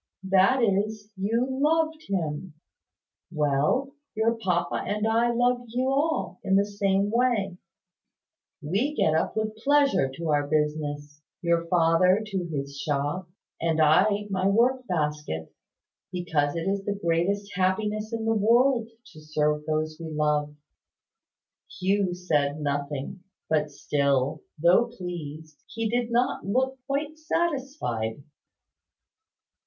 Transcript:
"That is, you loved him. Well: your papa and I love you all, in the same way. We get up with pleasure to our business your father to his shop, and I to my work basket because it is the greatest happiness in the world to serve those we love." Hugh said nothing; but still, though pleased, he did not look quite satisfied.